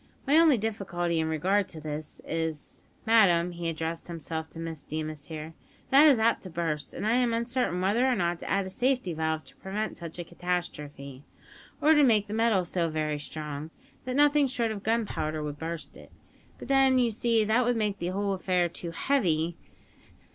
My only difficulty in regard to it is, madam," he addressed himself to Miss Deemas here, "that it is apt to burst, and I am uncertain whether or not to add a safety valve to prevent such a catastrophe, or to make the metal so very strong, that nothing short of gunpowder would burst it; but then, you see, that would make the whole affair too heavy.